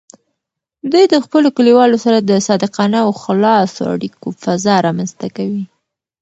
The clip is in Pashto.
دوی د خپلو کلیوالو سره د صادقانه او خلاصو اړیکو فضا رامینځته کوي.